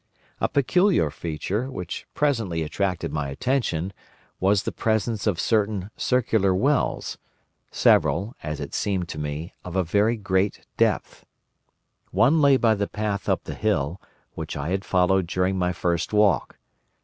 A peculiar feature, which presently attracted my attention, was the presence of certain circular wells, several, as it seemed to me, of a very great depth. One lay by the path up the hill which I had followed during my first walk.